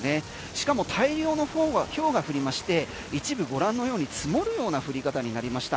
しかも大量のひょうが降りまして一部ご覧のように積もるような降り方になりました。